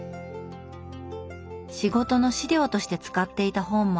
仕事の資料として使っていた本もあります。